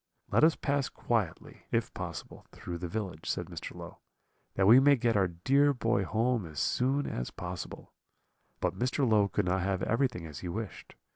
"'Let us pass quietly, if possible, through the village,' said Mr. Low, 'that we may get our dear boy home as soon as possible;' but Mr. Low could not have everything as he wished.